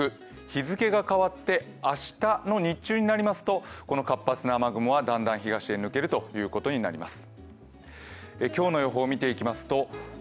日付が変わって明日の日中になりますと活発な雨雲はだんだん東へ抜けるということになります。